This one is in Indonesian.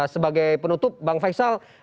sebagai penutup bang faisal